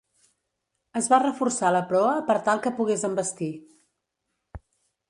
Es va reforçar la proa per tal que pogués envestir.